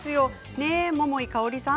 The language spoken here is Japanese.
ねえ、桃井かおりさん？